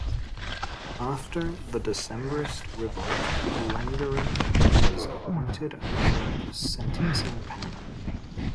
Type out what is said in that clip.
After the Decembrist revolt, Langeron was appointed a member of the sentencing panel.